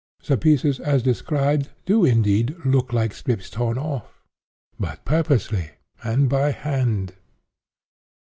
The pieces, as described, do indeed 'look like strips torn off;' but purposely and by hand.